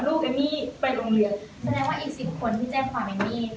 เอมมี่ไปโรงเรียนแสดงว่าอีกสิบคนที่แจ้งความเอมมี่